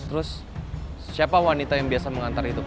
terus siapa wanita yang biasa mengantar itu